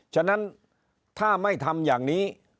ฉะนั้นถ้าไม่ทำอย่างนี้